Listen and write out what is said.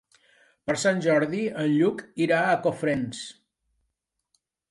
Per Sant Jordi en Lluc irà a Cofrents.